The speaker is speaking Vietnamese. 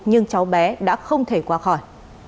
nhưng cháu bé đã không thể qua khỏi